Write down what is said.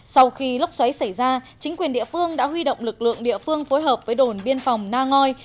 sau khi lốc xoáy xảy ra chính quyền địa phương đã huy động lực lượng địa phương phối hợp với đồn biên phòng na ngoi